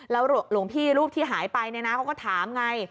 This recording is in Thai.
แล้วหลวงพี่รูปที่หายไปในน้ำเอาตามไง